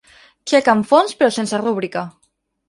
Txec amb fons però sense rúbrica.